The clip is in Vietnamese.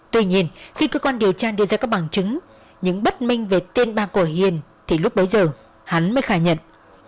tuy nhiên khi cơ quan điều tra đưa ra các bằng chứng những bất minh về tên ba cổ hiền thì lúc bấy giờ hắn mới khai nhận